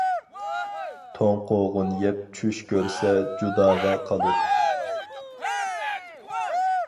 توڭ قوغۇن يەپ چۈش كۆرسە جۇداغا قالۇر.